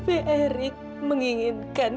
tapi erik menginginkan